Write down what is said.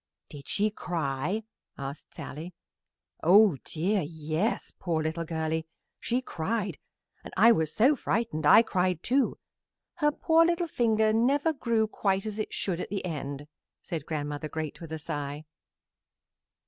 "Did she cry?" asked Sallie. "Oh dear, yes, poor little girlie; she cried, and I was so frightened I cried, too. Her poor little finger never grew quite as it should at the end," said Grandmother Great, with a sigh.